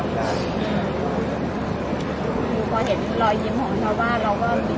แล้วก็จะกรรมรอดทั้งหมดแล้วก็จะกรรมรอดทั้งหมด